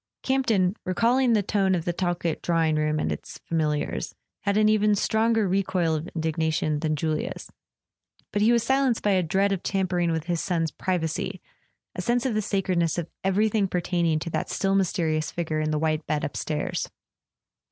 Campton, recalling the tone of the Talkett draw¬ ing room and its familiars, had an even stronger recoil of indignation than Julia's; but he was silenced by a dread of tampering with his son's privacy, a sense of the sacredness of everything pertaining to that still mysterious figure in the white bed upstairs.